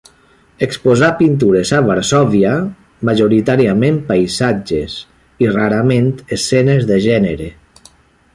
Exposà pintures a Varsòvia, majoritàriament paisatges, i rarament escenes de gènere.